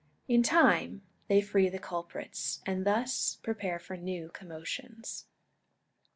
In time, they free the culprits, and thus prepare for new commotions.